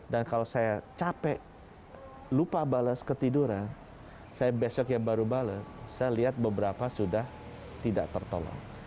dan kalau saya capek lupa bales ketiduran saya besok ya baru bales saya lihat beberapa sudah tidak tertolong